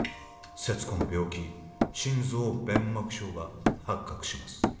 勢津子の病気心臓弁膜症が発覚します